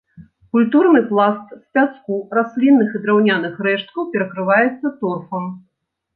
Культурны пласт з пяску, раслінных і драўняных рэшткаў перакрываецца торфам.